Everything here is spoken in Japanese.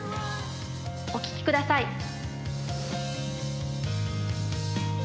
お聴きください。